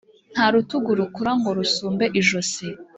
Nta rutugu rukura ngo rusumbe ijosi.